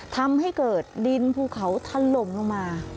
ทำให้เกิดดินภูเขาถล่มลงมา